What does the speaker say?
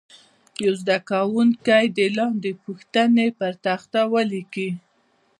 یو زده کوونکی دې لاندې پوښتنې پر تخته ولیکي.